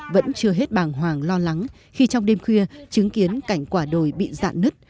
vẫn chưa hết bàng hoàng lo lắng khi trong đêm khuya chứng kiến cảnh quả đồi bị dạn nứt